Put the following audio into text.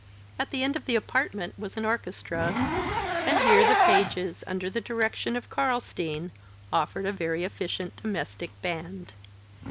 At the end of the apartment was an orchestra, and here the pages, under the direction of Carlstein, offered a very efficient domestic band.